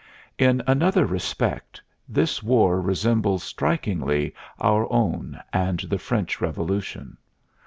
In another respect this war resembles strikingly our own and the French Revolution.